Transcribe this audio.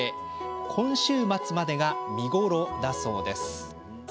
今週末までが見頃だそうです。